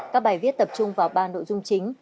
các bài viết tập trung vào ba nội dung chính